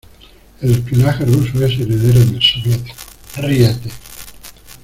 El espionaje ruso es heredero del soviético; ¡ríete!